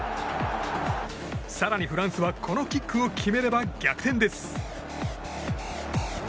更に、フランスはこのキックを決めれば逆転です。